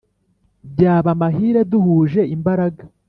byaba amahire duhuje imbaraga